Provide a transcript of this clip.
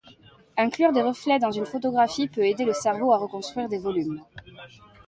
Inclure des reflets dans une photographie peut aider le cerveau à reconstruire des volumes.